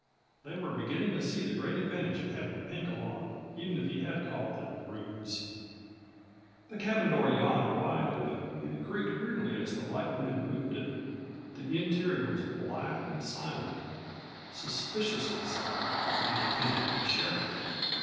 They were beginning to see the great advantage of having Pink along, even if he had called them Rubes. The cabin door yawned wide open, and creaked weirdly as the light wind moved it; the interior was black and silent suspiciously silent, in the opinion of the sheriff.